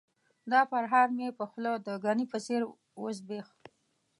دا پرهار مې په خوله د ګني په څېر وزبیښ.